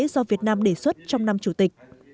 do việt nam đề xuất trong năm chủ tịch